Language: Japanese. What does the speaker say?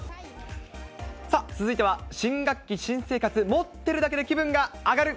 さあ、続いては新学期、新生活、持ってるだけで気分が上がる！